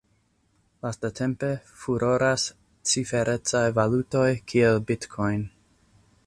Lastatempe furoras ciferecaj valutoj kiel Bitcoin.